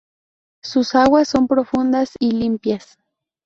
Sus aguas son profundas y limpias.